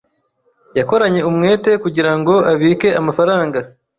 Yakoranye umwete kugirango abike amafaranga.